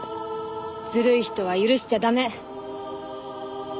ずるい人は許しちゃ駄目！